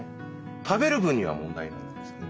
食べる分には問題ないんですね。